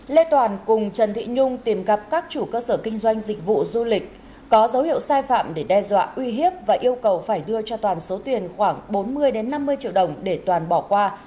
lê toàn cùng trần thị nhung tìm gặp các chủ cơ sở kinh doanh dịch vụ du lịch có dấu hiệu sai phạm để đe dọa uy hiếp và yêu cầu phải đưa cho toàn số tiền khoảng bốn mươi năm mươi triệu đồng để toàn bỏ qua